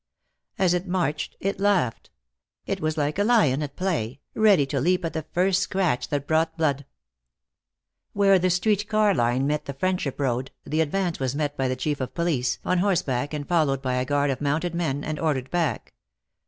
As it marched it laughed. It was like a lion at play, ready to leap at the first scratch that brought blood. Where the street car line met the Friendship Road the advance was met by the Chief of Police, on horseback and followed by a guard of mounted men, and ordered back.